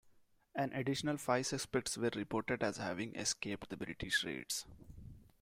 An additional five suspects were reported as having escaped the British raids.